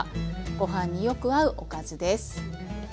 ご飯によく合うおかずです。